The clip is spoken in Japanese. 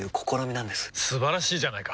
素晴らしいじゃないか！